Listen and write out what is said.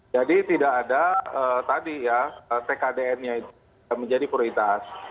jadi tidak ada tadi ya tkdn yang menjadi prioritas